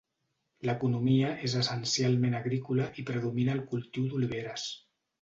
L'economia és essencialment agrícola i predomina el cultiu d'oliveres.